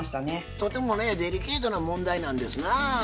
とてもねデリケートな問題なんですなぁ。